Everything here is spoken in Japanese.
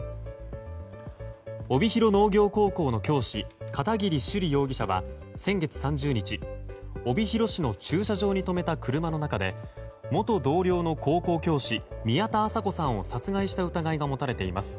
帯広農業高校の教師片桐朱璃容疑者は先月３０日、帯広市の駐車場に止めた車の中で元同僚の高校教師宮田麻子さんを殺害した疑いが持たれています。